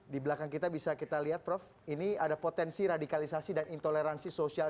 di belakang kita bisa kita lihat prof ini ada potensi radikalisasi dan intoleransi sosial